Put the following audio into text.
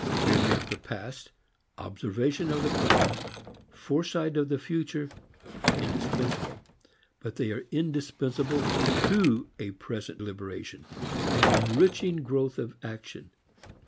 Memory of the past, observation of the present, foresight of the future are indispensable. But they are indispensable to a present liberation, an enriching growth of action.